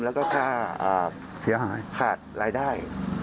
และก็ค่าขาดรายได้